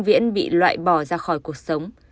hạ viện bị loại bỏ ra khỏi cuộc sống